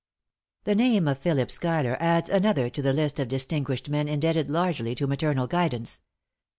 |The name of Philip Schuyler adds another to the list of distinguished men indebted largely to maternal guidance.